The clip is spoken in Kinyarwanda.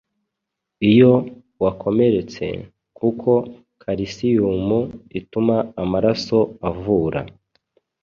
iyo wakomeretse kuko kalisiyumu ituma amaraso avura.